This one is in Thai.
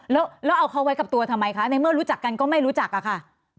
แล้วเอาเขาไว้กับตัวทำไมคะในเมื่อรู้จักกันก็ไม่รู้จักอะค่ะ